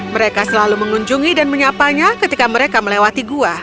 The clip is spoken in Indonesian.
mereka selalu mengunjungi dan menyapanya ketika mereka melewati gua